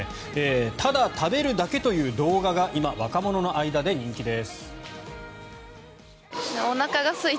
ただ食べるだけという動画が今、若者の間で人気です。